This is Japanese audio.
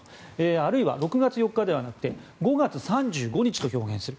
あるいは６月４日ではなくて「５月３５日」と表現する。